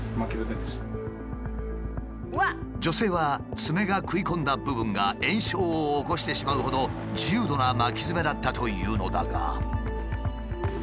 女性はツメが食い込んだ部分が炎症を起こしてしまうほど重度な巻きヅメだったというのだが。